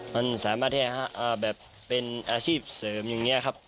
มันสามารถแบบเป็นอาชีพเสริมอย่างนี้ครับ